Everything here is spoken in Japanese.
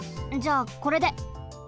じゃあこれで。